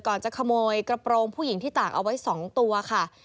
จะขโมยกระโปรงผู้หญิงที่ตากเอาไว้๒ตัวค่ะ